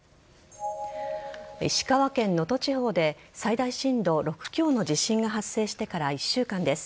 石川県能登地方で最大震度６強の地震が発生してから１週間です。